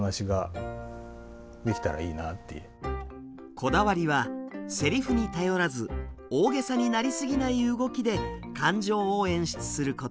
こだわりはセリフに頼らず大げさになりすぎない動きで感情を演出すること。